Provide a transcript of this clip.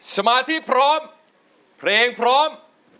สมาธิพร้อมเพลงพร้อม